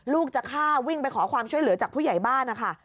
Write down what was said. ลูกจะฆ่าวิ่งไปขอความช่วยเหลือจากผู้ใหญ่บ้านนะคะ